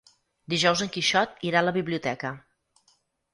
Dijous en Quixot irà a la biblioteca.